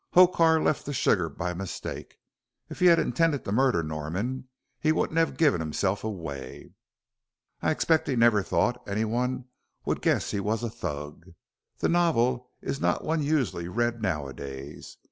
Hokar left the sugar by mistake. If he had intended to murder Norman he wouldn't have given himself away." "I expect he never thought anyone would guess he was a Thug. The novel is not one usually read nowadays.